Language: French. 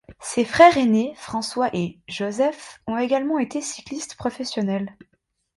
Ses frères aînés François et Joseph ont également été cyclistes professionnels.